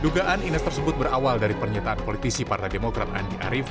dugaan ines tersebut berawal dari pernyataan politisi partai demokrat andi arief